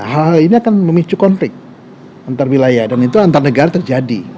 hal hal ini akan memicu konflik antar wilayah dan itu antar negara terjadi